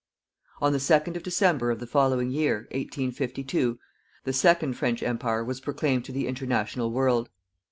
On the second of December of the following year 1852 the second French Empire was proclaimed to the international world.